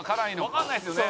「わかんないですよね」